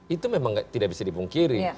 itu memang tidak bisa dipungkiri